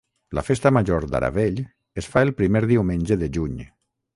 La festa major d'Aravell es fa el primer diumenge de juny.